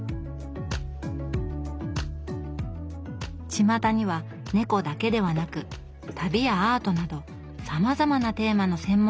ちまたには猫だけではなく旅やアートなどさまざまなテーマの専門書店があります。